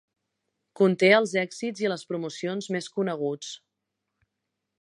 Conté els èxits i les promocions més coneguts.